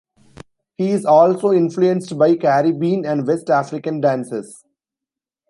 He is also influenced by Caribbean and West African dances.